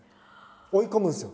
追い込むんですよ